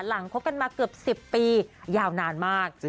คบกันมาเกือบ๑๐ปียาวนานมาก